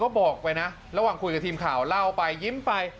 ก็บอกไปนะระหว่างคุยกับทีมข่าวเล่าไปยิ้มไป